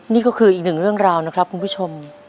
นี่ก็คืออีกหนึ่งเรื่องราวนะครับคุณผู้ชม